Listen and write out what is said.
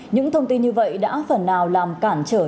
những thông tin như vậy đã phần nào làm cản trở những nỗ lực của các người